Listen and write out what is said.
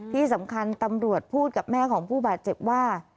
ที่สำคัญตำรวจพูดกับแม่ของผู้บาดเจ็บว่า